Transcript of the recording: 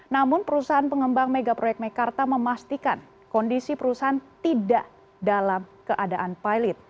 namun perusahaan pengembang mega proyek mekarta memastikan kondisi perusahaan tidak dalam keadaan pilot